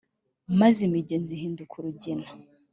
Maze imigezi ihinduka urugina